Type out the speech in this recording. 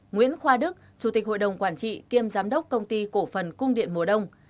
nguyễn khoa đức chủ tịch hội đồng quản trị kiêm giám đốc công ty cổ phần cung điện mùa đông